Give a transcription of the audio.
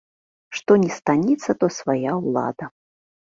Што ні станіца, то свая ўлада.